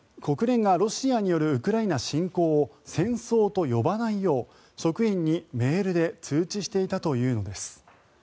国連がロシアによるウクライナ侵攻を戦争と呼ばないよう職員にメールで通知していたというのです。